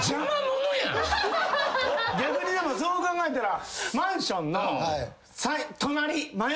逆にでもそう考えたら。